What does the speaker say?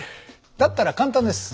だったら簡単です。